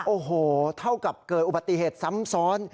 โอ้โหเท่ากับเกิดอุบัติเหตุซ้ำซ้อน